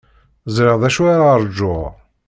Ẓriɣ d acu ara ṛjuɣ.